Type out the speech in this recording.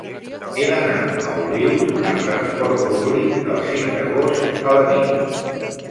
He d'anar a Olius amb trasport públic el cinc d'agost a la nit.